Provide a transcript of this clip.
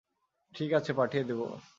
ঠিক আছ, পাঠিয়ে দিব।